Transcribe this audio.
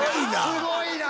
すごいな！